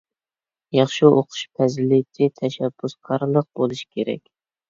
ياخشى ئوقۇش پەزىلىتى تەشەببۇسكارلىق بولۇشى كېرەك.